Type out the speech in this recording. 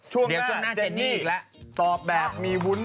ช่วงหน้าเจนี่ต่อแบบมีวุ้น